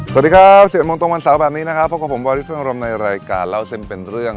สวัสดีครับ๑๑โมงตรงวันเสาร์แบบนี้นะครับพบกับผมวาริสัมรมในรายการเล่าเส้นเป็นเรื่อง